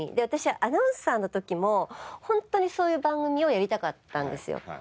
私アナウンサーの時もホントにそういう番組をやりたかったんですよ。